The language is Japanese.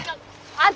あっ！